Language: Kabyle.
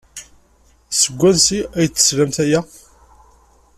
Seg wansi ay d-teslam aya?